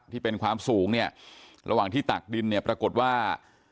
ที่เป็นความสูงเนี่ยระหว่างที่ตักดินเนี่ยปรากฏว่า